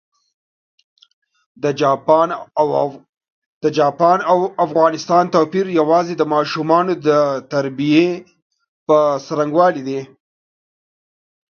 د چاپان او افغانستان توپېر یوازي د ماشومانو د تربیې پر ځرنګوالي دی.